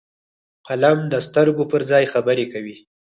قلم د سترګو پر ځای خبرې کوي